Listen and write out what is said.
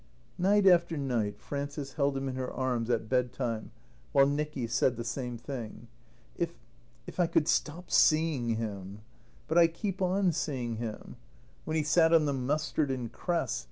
Night after night Frances held him in her arms at bed time while Nicky said the same thing. "If if I could stop seeing him. But I keep on seeing him. When he sat on the mustard and cress.